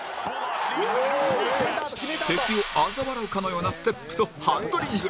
敵をあざ笑うかのようなステップとハンドリング